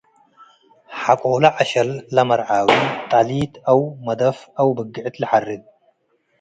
ሐቆለ ዐሸል ለመርዓዊ ጠሊት አው መደፍ አው ብግዕት ለሐርድ ።